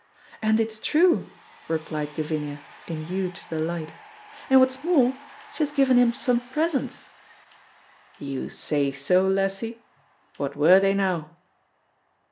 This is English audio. "And it's true," replied Gavinia, in huge delight, "and what's more, she has given him some presents." "You say so, lassie! What were they now?"